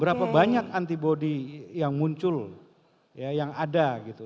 berapa banyak antibody yang muncul ya yang ada gitu